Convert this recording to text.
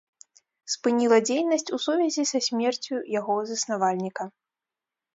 Спыніла дзейнасць у сувязі са смерцю яго заснавальніка.